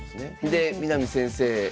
で南先生